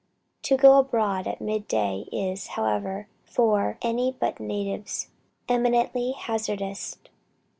To go abroad at mid day, is, however, for any but natives, eminently hazardous."